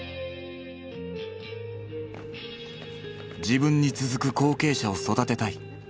自分に続く後継者を育てたい。